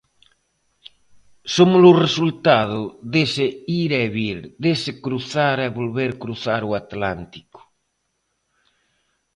Somos o resultado dese ir e vir, dese cruzar e volver cruzar o Atlántico.